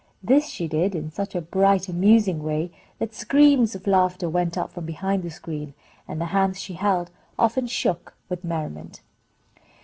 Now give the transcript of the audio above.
This she did in such a bright amusing way that screams of laughter went up from behind the screen, and the hands she held often shook with merriment.